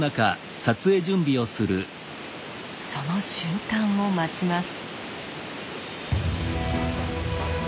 その瞬間を待ちます。